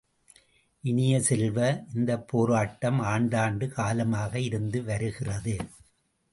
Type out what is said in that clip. இனிய செல்வ, இந்தப் போராட்டம் ஆண்டாண்டு காலமாக இருந்து வருகிறது.